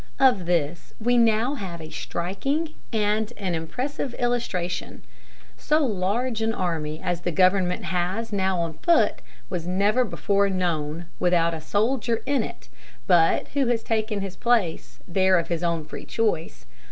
Of this we now have a striking and an impressive illustration. So large an army as the government has now on foot was never before known, without a soldier in it but who has taken his place there of his own free choice.